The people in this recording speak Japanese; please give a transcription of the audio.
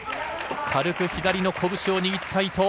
軽く左の拳を握った伊藤。